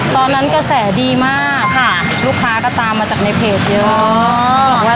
กระแสดีมากค่ะลูกค้าก็ตามมาจากในเพจเยอะ